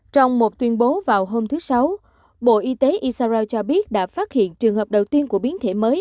trong một tuyên bố vào hôm thứ sáu bộ y tế isarao cho biết đã phát hiện trường hợp đầu tiên của biến thể mới